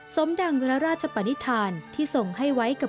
สมดังพระราชปนิษฐานที่ส่งให้ไว้กับ